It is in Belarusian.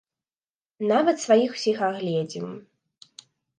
Нават сваіх усіх агледзім.